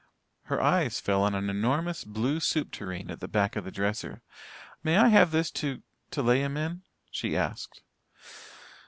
Her eyes fell on an enormous blue soup tureen at the back of the dresser. "May I have this to to lay him in?" she asked.